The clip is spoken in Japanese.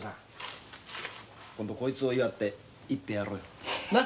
今度こいつを祝っていっぱいやろうぜな。